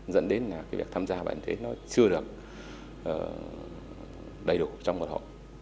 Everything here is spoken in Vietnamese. dẫn đến là việc tham gia bản thế nó chưa được đầy đủ trong một hộ